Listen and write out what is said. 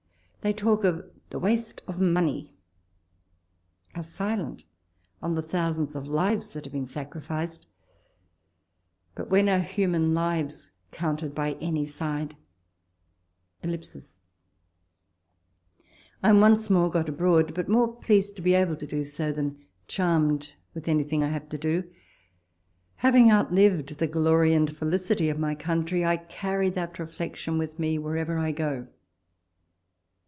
They talk of the waste of money ; are silent on the thousands of lives that have been sacrificed — but when are human lives counted by any side ?... I am once more got abroad, but more pleased to be able to do so, than charmsd with anything I have to do. Having outlived the glory and felicity of my country, I carry that reflection walpole's letters. 173 with me wherever I go.